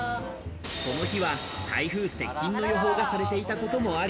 この日は、台風接近の予報がされていたこともあり、